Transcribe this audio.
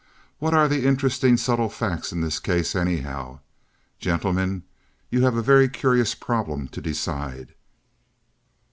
What are the interesting, subtle facts in this case, anyhow? Gentlemen, you have a very curious problem to decide."